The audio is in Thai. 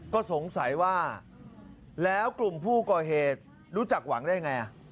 ก็สงสัยว่าแล้วกลุ่มผู้ก่อเหตุรู้จักหวังได้ไง